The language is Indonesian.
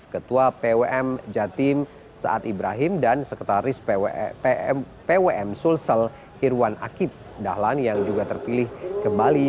ketua pwm jatim saad ibrahim dan sekretaris pwm sulsel irwan akip dahlan yang juga terpilih kembali